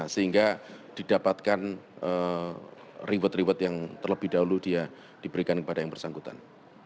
sehingga didapatkan reward reward yang terlebih dahulu dia diberikan kepada yang bersangkutan